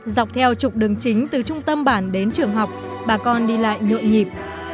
dọc theo trục đường chính từ trung tâm bản đến trường học bà con đi lại nhộn nhịp